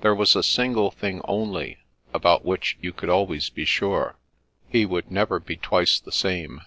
There was a single thing only, about which you could always be sure. He would never be twice the same.